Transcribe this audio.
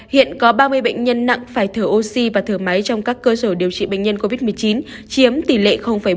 hiện có ba mươi bệnh nhân nặng phải thở oxy và thở máy trong các cơ sở điều trị bệnh nhân covid một mươi chín chiếm tỷ lệ bốn mươi